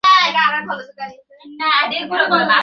আপনার কাছে ওয়ারেন্ট না থাকলে আপনি ভিতরে আসতে পারবেন না।